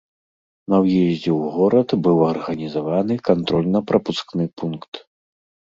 На ўездзе ў горад быў арганізаваны кантрольна-прапускны пункт.